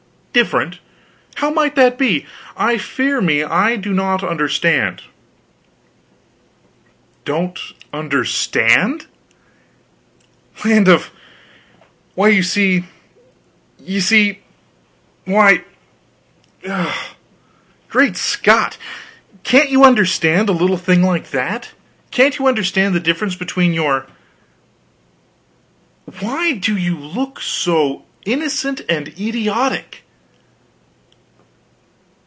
"Different? How might that be? I fear me I do not understand." "Don't understand? Land of why, you see you see why, great Scott, can't you understand a little thing like that? Can't you understand the difference between your why do you look so innocent and idiotic!"